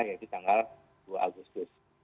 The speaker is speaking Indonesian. yaitu tanggal dua agustus